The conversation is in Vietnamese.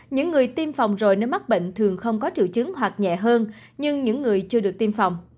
những người tiêm phòng rồi nếu mắc bệnh thường không có triệu chứng hoặc nhẹ hơn nhưng những người chưa được tiêm phòng